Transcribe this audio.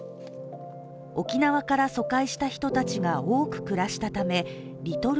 沖縄から疎開した人たちが、多く暮らしたためリトル